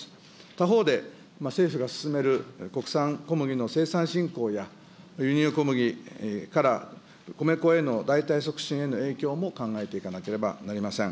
他方で、政府が進める国産小麦の生産振興や、輸入小麦から米粉への代替促進への影響も考えていかなければなりません。